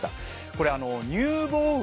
これ乳房雲